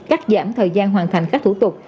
cắt giảm thời gian hoàn thành các thủ tục